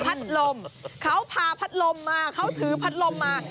ลมเขาพาพัดลมมาเขาถือพัดลมมา